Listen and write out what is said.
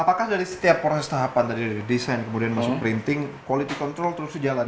apakah dari setiap proses tahapan tadi dari desain kemudian masuk printing quality control terus ke jalan ya